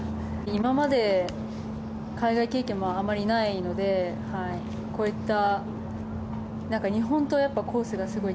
今まで海外経験もあまりないのでこういった日本とコースがすごい